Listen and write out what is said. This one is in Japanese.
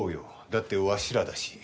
だってわしらだし。